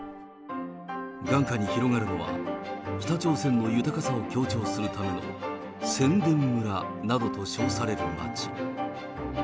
眼下に広がるのは、北朝鮮の豊かさを強調するための宣伝村などと称される街。